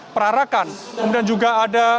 perarakan kemudian juga ada